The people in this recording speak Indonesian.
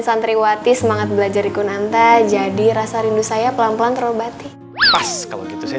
santriwati semangat belajar ikunanta jadi rasa rindu saya pelan pelan terobati pas kalau gitu saya